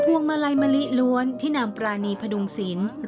วงมาลัยมะลิล้วนที่นางปรานีพดุงศิลป์